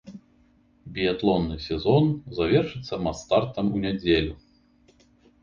Біятлонны сезон завершыцца мас-стартам у нядзелю.